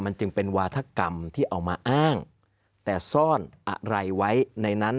มันจึงเป็นวาธกรรมที่เอามาอ้างแต่ซ่อนอะไรไว้ในนั้น